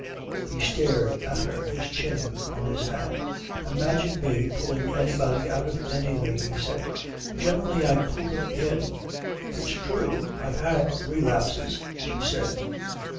He stared at her, his chin on his hand. "Imagine me pulling anybody out of anything," he said. "Generally I pull them in." "It's true I've had relapses," she said.